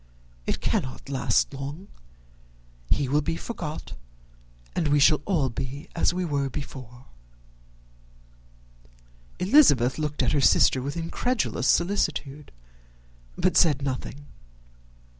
It cannot last long. He will be forgot, and we shall all be as we were before." Elizabeth looked at her sister with incredulous solicitude, but said nothing.